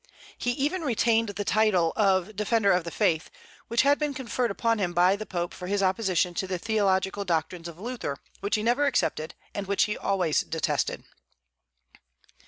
He even retained the title of Defender of the Faith, which had been conferred upon him by the Pope for his opposition to the theological doctrines of Luther, which he never accepted, and which he always detested.